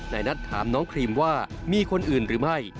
นายนัทถามน้องครีมว่ามีคนอื่นหรือไม่